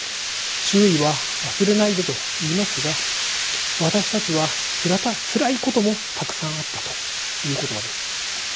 周囲は「忘れないで」と言いますが私たちはつらいこともたくさんあったという言葉です。